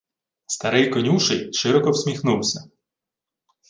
Старий конюший широко всміхнувся.